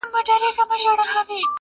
په تلاښ د وظیفې سوه د خپل ځانه.